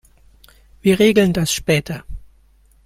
Wir regeln das später.